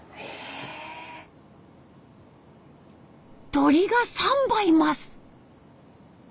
鳥が３羽います！